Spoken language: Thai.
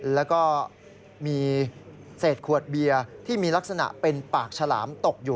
แล้วก็มีเศษขวดเบียร์ที่มีลักษณะเป็นปากฉลามตกอยู่